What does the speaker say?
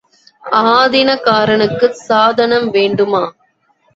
ஆதீனக்காரனுக்குச் சாதனம் வேண்டுமா?